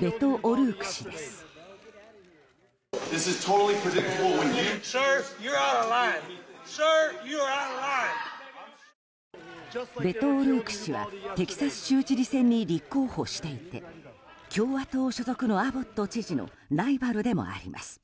ベト・オルーク氏はテキサス州知事選に立候補していて共和党所属のアボット知事のライバルでもあります。